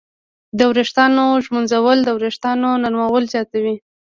د ویښتانو ږمنځول د وېښتانو نرموالی زیاتوي.